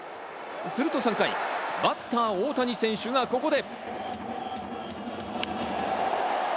すると３回、バッター・大谷選手がここで。